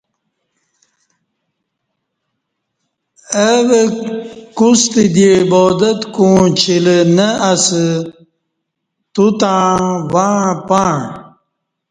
اوہ کوستہ دی عبادت کوں چیلہ نہ اسہ تو تݩع وݩع پݩع